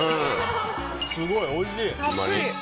すごい、おいしい！